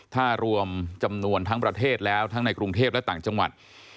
ถ้ารวมจำนวนทั้งประเทศแล้วทั้งในกรุงเทพและต่างจังหวัด